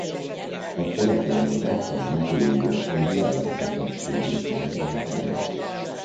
A cselekmény az akkád mitológia egy jellegzetességét magyarázza meg.